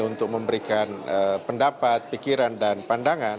untuk memberikan pendapat pikiran dan pandangan